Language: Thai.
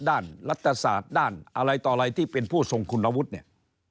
รัฐศาสตร์ด้านอะไรต่ออะไรที่เป็นผู้ทรงคุณวุฒิเนี่ย